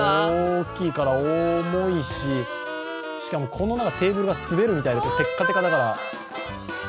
大きいから重いし、しかもこのテーブルが滑るみたいで、テッカテカだから。